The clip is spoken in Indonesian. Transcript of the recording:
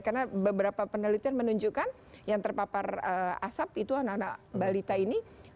karena beberapa penelitian menunjukkan yang terpapar asap itu anak anak balita ini